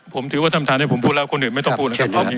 ผมถือว่าท่านทานให้ผมพูดแล้วคนอื่นไม่ต้องพูดนะครับ